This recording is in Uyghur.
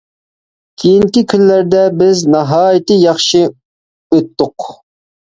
كېيىنكى كۈنلەردە بىز ناھايىتى ياخشى ئۆتتۇق.